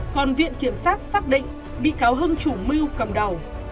còn viện kiểm sát xác định bị cáo hưng chủ mưu cầm đầu